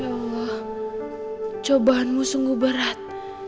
allah cobaanmu sungguh berat